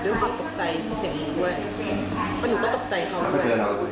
ด้วยเขาตกใจเสียงมือด้วยหนูก็ตกใจเขาด้วย